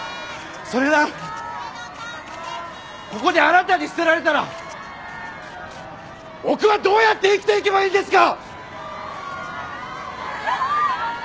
それなのにここであなたに捨てられたら僕はどうやって生きていけばいいんですか！